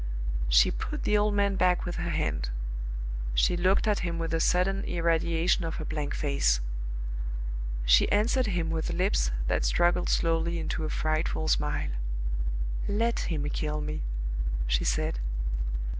She put the old man back with her hand. She looked at him with a sudden irradiation of her blank face. She answered him with lips that struggled slowly into a frightful smile. "Let him kill me," she said.